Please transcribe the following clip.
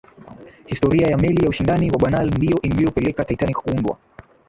historia ya meli ya ushindani wa banal ndiyo iliyopelekea titanic kuundwa